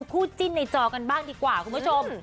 คู่จิ้นในจอกันบ้างดีกว่าคุณผู้ชม